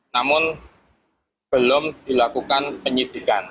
namun belum dilakukan penyidikan